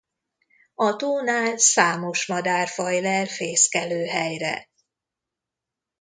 A tónál számos madárfaj lel fészkelőhelyre.